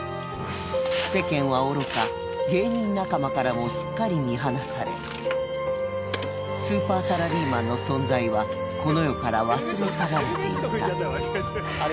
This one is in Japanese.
世間はおろか、芸人仲間からもすっかり見放され、スーパーサラリーマンの存在はこの世から忘れ去られていった。